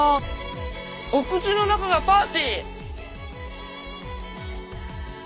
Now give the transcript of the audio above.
お口の中がパーティー！